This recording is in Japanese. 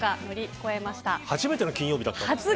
初めての金曜日だったんですね。